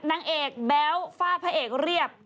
นางเอกแบ๊วฝ้าพระเอกเรียบ